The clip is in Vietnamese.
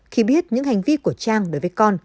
khi biết những hành vi của trang đối với con